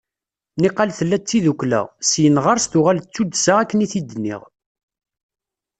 Niqal tella d tidukla, syin ɣer-s tuɣal d tuddsa akken i t-id-nniɣ.